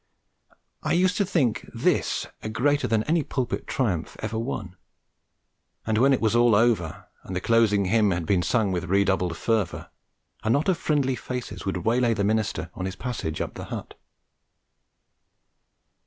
I used to think this a greater than any pulpit triumph ever won; and when it was all over, and the closing hymn had been sung with redoubled fervour, a knot of friendly faces would waylay the minister on his passage up the hut.